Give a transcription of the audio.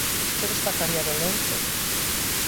Que destacaría do lenzo?